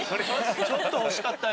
ちょっと欲しかったよ。